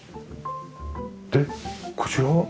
でこちらは？